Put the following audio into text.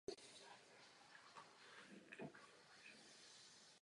Neofyt v minulosti spolupracoval s komunistickou tajnou státní policií.